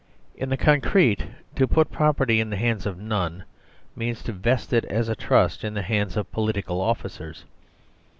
In the concrete, to put property in the hands of " none " means to vest it as a trust in the hands of political officers.